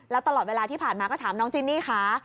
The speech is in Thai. แล้วตลอดเวลาที่ผ่านมาก็ถามน้องจินนี่ค่ะ